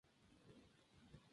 El tipo de bisel puede ser